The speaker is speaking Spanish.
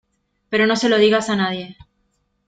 pero no se lo digas a nadie.